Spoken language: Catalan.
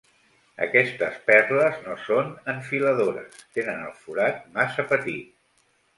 Aquestes perles no són enfiladores: tenen el forat massa petit.